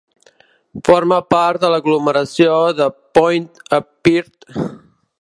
Forma part de l'aglomeració de Pointe-à-Pitre.